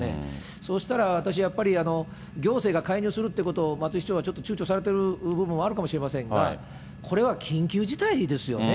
そうしたら、私やっぱり、行政が介入するということを松井市長がちょっと、ちゅうちょされている部分もあるかもしれませんが、これは緊急事態ですよね。